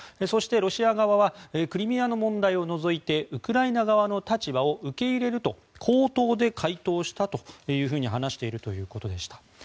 そして、ロシア側はクリミアの問題を除いてウクライナ側の立場を受け入れると口頭で回答したというふうに話しているということでした。